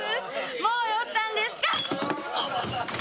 もう酔ったんですか？